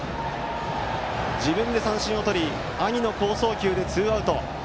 自分で三振をとり兄の好送球でツーアウト。